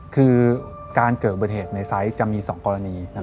คือการเกิดอุบัติเหตุในไซส์จะมี๒กรณี